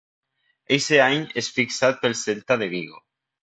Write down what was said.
Eixe any és fitxat pel Celta de Vigo.